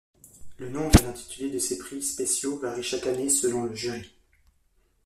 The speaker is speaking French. Le nombre et l'intitulé de ces prix spéciaux varie chaque année, selon le jury.